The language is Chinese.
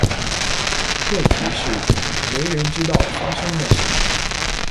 问题是，没人知道发生了什么。